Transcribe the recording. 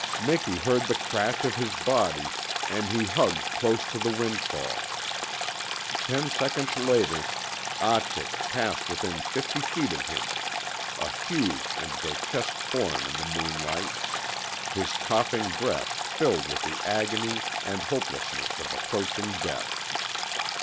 Miki heard the crash of his body and he hugged close to the windfall. Ten seconds later Ahtik passed within fifty feet of him, a huge and grotesque form in the moonlight, his coughing breath filled with the agony and hopelessness of approaching death.